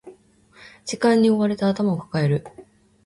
時間に追われて頭を抱える